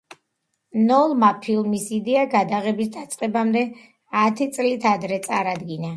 ნოლმა ფილმის იდეა გადაღების დაწყებამდე ათი წლით ადრე წარადგინა.